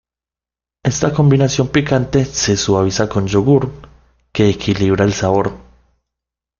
Esta combinación picante se suaviza con yogur, que equilibra el sabor.